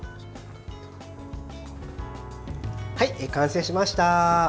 完成しました。